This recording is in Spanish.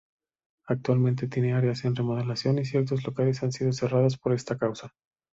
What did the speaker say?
Actualmente tiene areas en remodelación y ciertos locales han sido cerrados por esta causa.